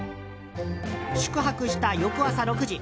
宿泊した翌朝６時。